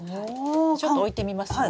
ちょっと置いてみますよ。